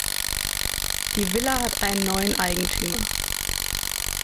Die Villa hat einen neuen Eigentümer.